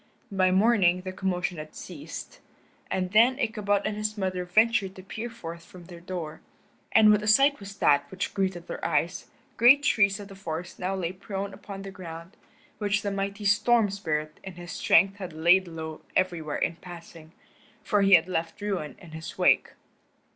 By morning the commotion had ceased, and then Ichabod and his mother ventured to peer forth from their door. And what a sight was that which greeted their eyes. Great trees of the forest now lay prone upon the ground, which the mighty Storm Spirit in his strength had laid low everywhere in passing, for he had left ruin in his wake.